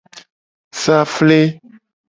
Safle.